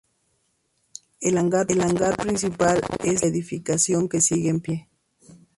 El hangar principal es la única edificación que sigue en pie.